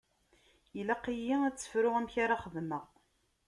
Ilaq-iyi ad tt-fruɣ amek ara xedmeɣ.